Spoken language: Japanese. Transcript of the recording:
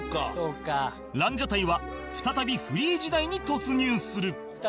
ランジャタイは再びフリー時代に突入する